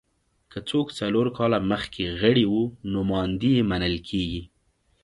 که څوک څلور کاله مخکې غړي وو نوماندي یې منل کېږي